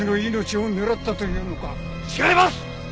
違います！